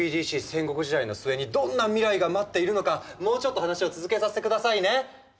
戦国時代の末にどんな未来が待っているのかもうちょっと話を続けさせてくださいね。